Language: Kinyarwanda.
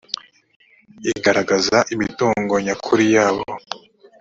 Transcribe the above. igaragaza imitungo nyakuri yabo